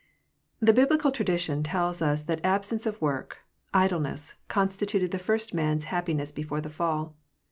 Thb biblical tradition tells us that absence of work, idle ness, constituted the first man's happiness before the fall.